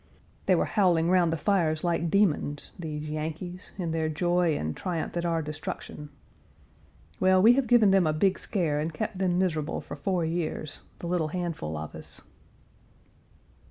They were howling round the fires like demons, these Yankees in their joy and triumph at our destruction. Well, we have given them a big scare and kept them miserable for four years the little handful of us.